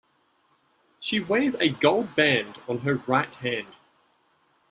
She wears a gold band on her right hand.